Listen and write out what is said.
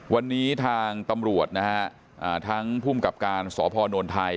วันนี้ทางตำรวจนะฮะทั้งภูมิกับการสพนไทย